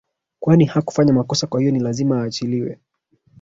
kwani hakufanya makosa kwa hiyo ni lazima aachiliwe